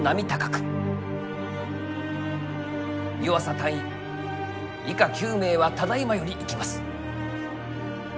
湯浅大尉以下９名はただいまより行きます。